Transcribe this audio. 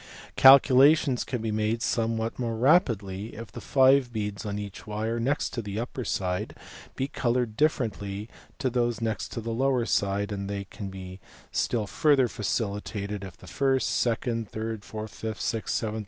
Calculations can be made somewhat more rapidly if the five beads on each wire next to the upper side be coloured differently to those next to the lower side, and they can be still further facilitated if the first, second, ...